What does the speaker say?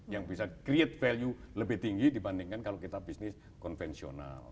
yang bisa create value lebih tinggi dibandingkan kalau kita bisnis konvensional